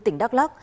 tỉnh đắk lắk